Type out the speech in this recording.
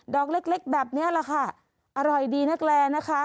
ดอกเล็กเล็กแบบเนี้ยแหละค่ะอร่อยดีนักแรงนะคะ